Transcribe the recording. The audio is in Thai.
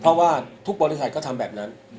เพราะว่าทุกบริษัทก็ทำแบบนั้น